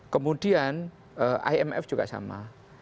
kemudian imf juga sama